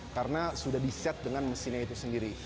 karena sudah di set dengan mesinnya itu sendiri